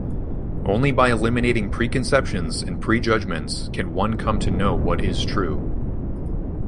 Only by eliminating preconceptions and prejudgments can one come to know what is true.